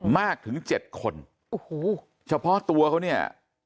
มากถึงเจ็ดคนโอ้โหเฉพาะตัวเขาเนี่ย